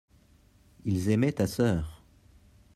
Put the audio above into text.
ils aimaient ta sœur.